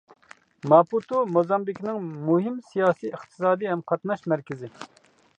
ماپۇتو موزامبىكنىڭ مۇھىم سىياسىي، ئىقتىسادىي ھەم قاتناش مەركىزى.